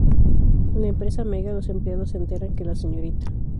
En la empresa Mega, los empleados se enteran que la Srta.